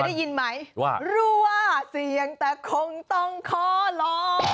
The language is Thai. ได้ยินไหมว่ารู้ว่าเสียงแต่คงต้องขอร้อง